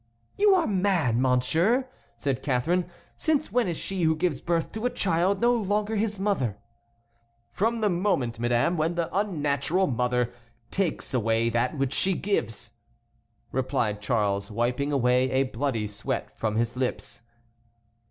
"You are mad, monsieur," said Catharine; "since when is she who gives birth to a child no longer his mother?" "From the moment, madame, when the unnatural mother takes away that which she gives," replied Charles, wiping away a bloody sweat from his lips.